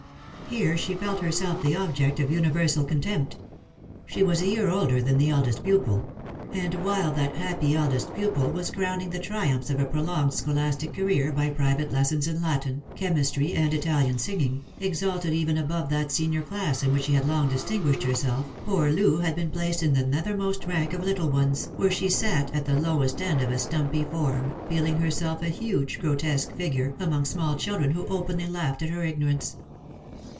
Here she felt herself the object of universal contempt. She was a year older than the eldest pupil ; and while that happy eldest pupil was crowning the triumphs of a prolonged scholastic career by private lessons in Latin, chemistry, and Italian singing, exalted even above that senior class in which she had . long dis tinguished herself, poor Loo had been placed in the nethermost rank of little ones, where she sat at the lowest end of a stumpy form, feeling herself a huge grotesque figure, among small children who openly laughed at her ignorance.